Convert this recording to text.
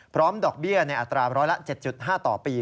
ดอกเบี้ยในอัตราร้อยละ๗๕ต่อปี